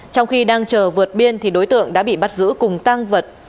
trong khi đang chờ vượt biên thì đối tượng đã bị bắt giữ cùng tăng vật